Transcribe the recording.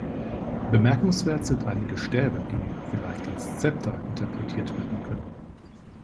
Bemerkenswert sind einige Stäbe, die vielleicht als Szepter interpretiert werden können.